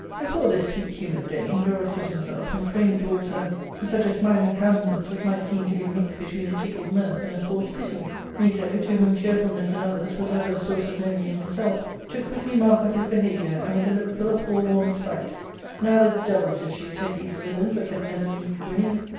Before this sweet humoured dame Dorus set himself, and framed towards her such a smiling countenance as might seem to be mixed between a tickled mirth and a forced pity. Miso, to whom cheerfulness in others was ever a source of envy in herself, took quickly mark of his behaviour, and with a look full of forworn spite, "Now the devil," said she, "take these villains that can never leave grinning